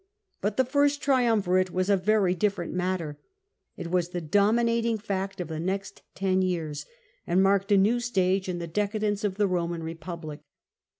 But the " First Triumvirate was a very diflerent matter : it was the dominating fact of the next ten years, and maiked a new stage in the decadence of the Roman Republic.